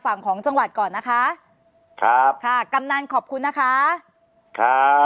ฝั่งของจังหวัดก่อนนะคะครับค่ะกำนันขอบคุณนะคะครับ